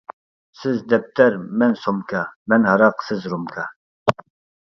سىز دەپتەر، مەن سومكا، مەن ھاراق، سىز رومكا.